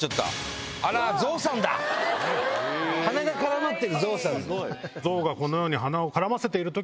鼻が絡まってるゾウさん。